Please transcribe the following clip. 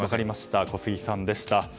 小杉さんでした。